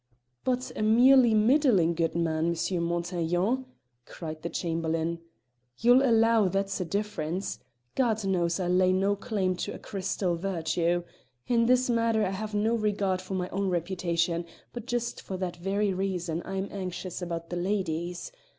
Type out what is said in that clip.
"But a merely middling good man, M. Montaiglon," cried the Chamberlain; "you'll allow that's a difference. Lord knows I lay no claim to a crystal virtue! In this matter I have no regard for my own reputation, but just for that very reason I'm anxious about the lady's.